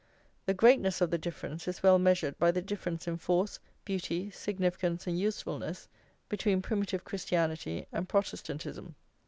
The greatness of the difference is well measured by the difference in force, beauty, significance and usefulness, between primitive Christianity and Protestantism.